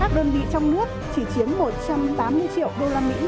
các đơn vị trong nước chỉ chiếm một trăm tám mươi triệu usd